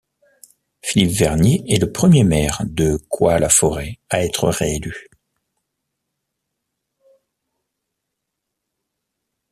Philippe Vernier est le premier maire de Coye-la-Forêt à être réélu.